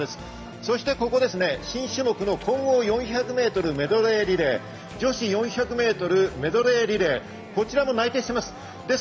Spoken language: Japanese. そしてここ、新種目の混合４００ｍメドレーリレー、女子４００ｍメドレーリレー、こちらも内定しています。